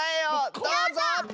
どうぞ！